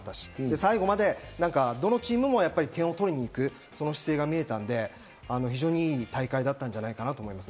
最後までどのチームも点を取りに行く、その姿勢が見えたので非常にいい大会だったんじゃないかなと思います。